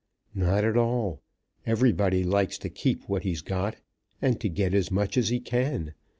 "Not at all. Everybody likes to keep what he's got, and to get as much as he can.